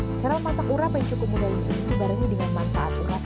cara memasak urap yang cukup mudah ini dibarengi dengan manfaat urap